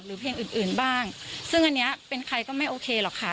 เพลงอื่นอื่นบ้างซึ่งอันนี้เป็นใครก็ไม่โอเคหรอกค่ะ